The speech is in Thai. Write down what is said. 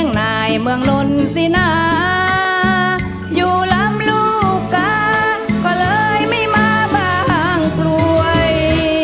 หล่นสินาอยู่ลำลูกกาก็เลยไม่มาบางกล่วย